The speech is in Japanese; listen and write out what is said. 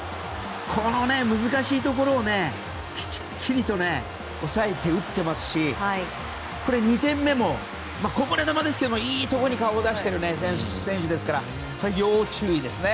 この難しいところをきっちりと抑えて打っていますし２点目もこぼれ球ですけど、いいところに顔を出す選手ですからこれは要注意ですね。